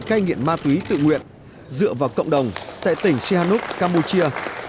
cây nghiện ma túy tự nguyện dựa vào cộng đồng tại tỉnh sihanouk campuchia